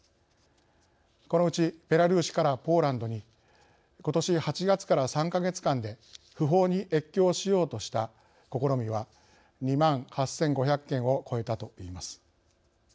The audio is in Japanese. このうちベラルーシからポーランドにことし８月から３か月間で不法に越境しようとした試みは２万８５００件を超えたといいます。